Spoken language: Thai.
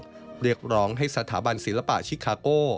เรียกร้องให้สถาบันศิลปะชิคาโก้